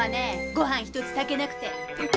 ご飯ひとつ炊けなくて！